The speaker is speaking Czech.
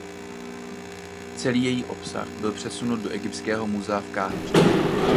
Celý její obsah byl přesunut do Egyptského muzea v Káhiře.